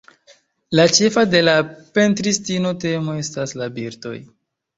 La ĉefa de la pentristino temo estas la birdoj.